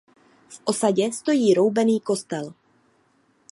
V osadě stojí roubený kostel.